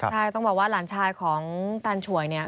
ใช่ต้องบอกว่าหลานชายของตานฉวยเนี่ย